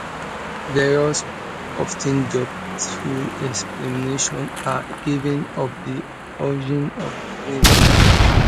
Various, often doubtful explanations are given of the origin of the name.